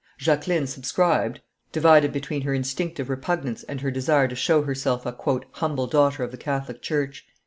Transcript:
Jacqueline subscribed, divided between her instinctive repugnance and her desire to show herself a "humble daughter of the Catholic church."